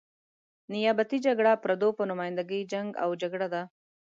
نیابتي جګړه پردو په نماینده ګي جنګ او جګړه ده.